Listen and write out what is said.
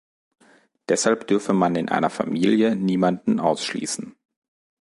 Deshalb dürfe man in einer Familie niemanden ausschließen.